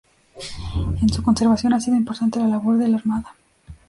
En su conservación ha sido importante la labor de la Armada.